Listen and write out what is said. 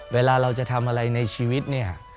เวลาเราจะทำอะไรในชีวิตเนี่ย